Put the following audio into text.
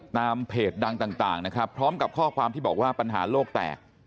เพจดังต่างนะครับพร้อมกับข้อความที่บอกว่าปัญหาโลกแตก